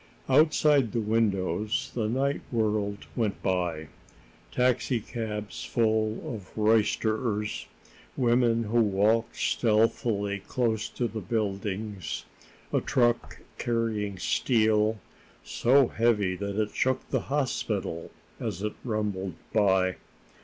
Outside the windows, the night world went by taxi cabs full of roisterers, women who walked stealthily close to the buildings, a truck carrying steel, so heavy that it shook the hospital as it rumbled by.